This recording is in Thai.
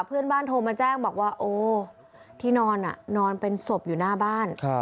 เพื่อนบ้านโทรมาแจ้งบอกว่าโอ้ที่นอนนอนเป็นศพอยู่หน้าบ้าน